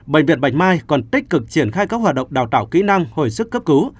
bệnh viện bạch mai còn tích cực triển khai các hoạt động đào tạo kỹ năng hồi sức cấp cứu